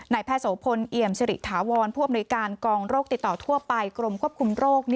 แพทย์โสพลเอี่ยมสิริถาวรผู้อำนวยการกองโรคติดต่อทั่วไปกรมควบคุมโรค